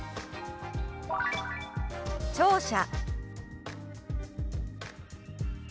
「聴者」。